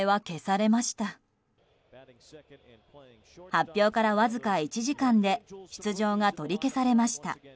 発表からわずか１時間で出場が取り消されました。